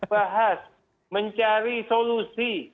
bahas mencari solusi